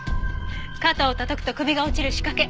肩をたたくと首が落ちる仕掛け。